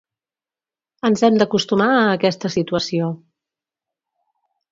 Ens hem d’acostumar a aquesta situació.